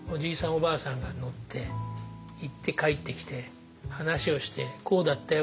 おばあさんが乗って行って帰ってきて話をしてこうだったよ